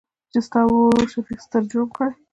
چې ستا ورورشفيق ستر جرم کړى.